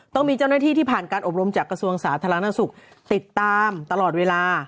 ต้องมีเจ้าหน้าที่ที่ผ่านการอบรมจากกระทรวงสาธารณสุขติดตามตลอดเวลา